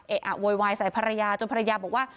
อะโวยวายใส่ภรรยาจนภรรยาบอกว่า